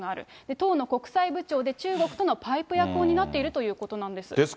党の国際部長で中国とのパイプ役を担っているということなんです。